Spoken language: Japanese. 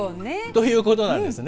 ということなんですね。